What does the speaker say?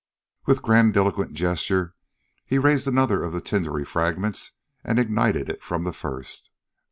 With grandiloquent gesture he raised another of the tindery fragments and ignited it from the first.